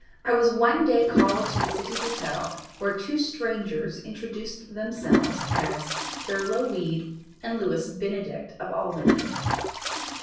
I was one day called to the City Hotel where two strangers introduced themselves as Thurlow Weed and Lewis Benedict, of Albany.